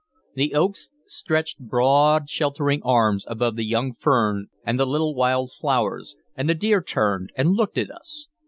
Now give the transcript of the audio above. The oaks stretched broad sheltering arms above the young fern and the little wild flowers, and the deer turned and looked at us.